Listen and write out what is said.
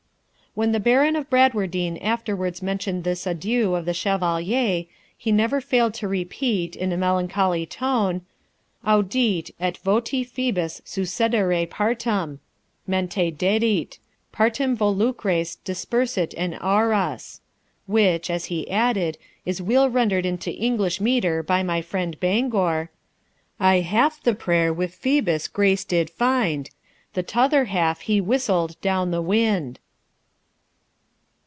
When the Baron of Bradwardine afterwards mentioned this adieu of the Chevalier, he never failed to repeat, in a melancholy tone, 'Audiit, et voti Phoebus succedere partem Mente dedit; partem volucres dispersit in auras; which,' as he added, 'is weel rendered into English metre by my friend Bangour: Ae half the prayer wi' Phoebus grace did find, The t'other half he whistled down the wind.'